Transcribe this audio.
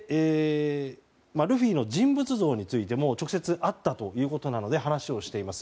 ルフィの人物像についても直接会ったということなので話をしています。